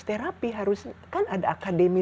terapi harusnya kan ada akademi